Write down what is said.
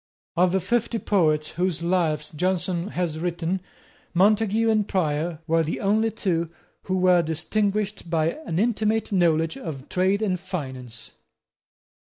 Of the fifty poets whose lives Johnson has written, Montague and Prior were the only two who were distinguished by an intimate knowledge of trade and finance.